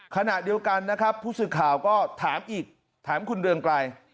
ขณะเดียวกันผู้สื่อข่าวก็ถามอีกถามคุณเรืองกลาย